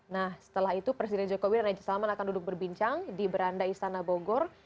nah setelah itu presiden jokowi dan raja salman akan duduk berbincang di beranda istana bogor